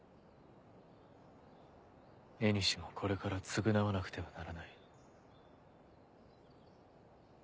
縁もこれから償わなくてはならない。